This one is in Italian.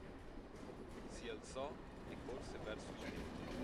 Si alzò e corse verso il tetto.